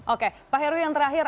oke pak heru yang terakhir